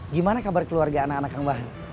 gimana kabar keluarga anak anak kang bahar